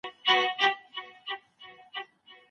حکومتونه د خپلو خلګو د سوکالۍ مسئول دي.